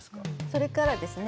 それからですね